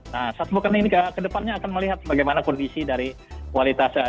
nah satu pekan ini ke depannya akan melihat bagaimana kondisi dari kualitas energi